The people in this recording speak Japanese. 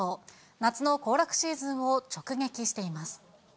夏の行楽シーズンを直撃しています。